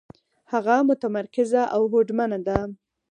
هغه متمرکزه او هوډمنه ده.